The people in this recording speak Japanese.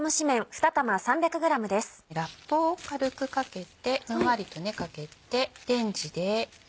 ラップを軽くかけてふんわりとかけて。